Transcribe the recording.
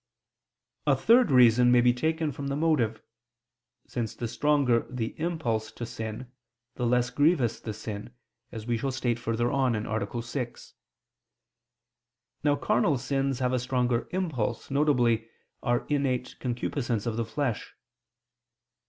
A third reason may be taken from the motive, since the stronger the impulse to sin, the less grievous the sin, as we shall state further on (A. 6). Now carnal sins have a stronger impulse, viz. our innate concupiscence of the flesh.